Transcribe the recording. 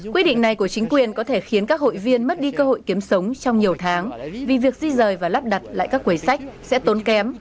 quyết định này của chính quyền có thể khiến các hội viên mất đi cơ hội kiếm sống trong nhiều tháng vì việc di rời và lắp đặt lại các quầy sách sẽ tốn kém